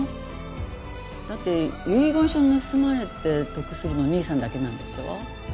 だって遺言書盗まれて得するの兄さんだけなんでしょう？